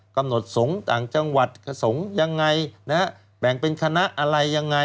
กำหนดสงฆ์ต่างจังหวัดกระสงฆ์ยังไงนะฮะแบ่งเป็นคณะอะไรยังไง